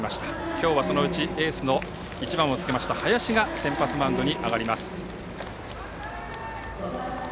今日はそのうちエースの１番をつけた林が先発マウンドに上がります。